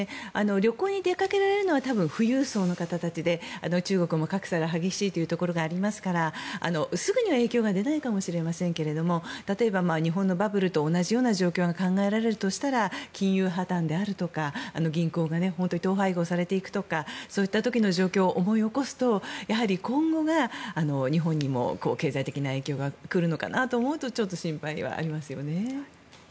旅行に出かけられるのは多分、富裕層の方たちで中国も格差が激しいというところがありますからすぐには影響は出ないかもしれませんが例えば日本のバブルと同じような状況が考えられるとしたら金融破たんであるとか銀行が統廃合されていくとかそういった時の状況を思い起こすと今後、日本にも経済的な影響が来るのかなと思うとちょっと心配はありますよね。